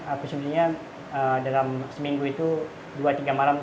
aku sebenarnya dalam seminggu itu dua tiga malam satu